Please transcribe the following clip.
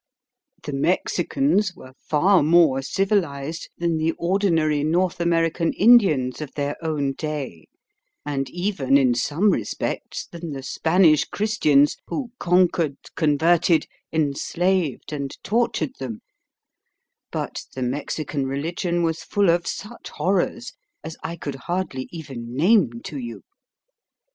The Mexicans were far more civilised than the ordinary North American Indians of their own day, and even in some respects than the Spanish Christians who conquered, converted, enslaved, and tortured them; but the Mexican religion was full of such horrors as I could hardly even name to you.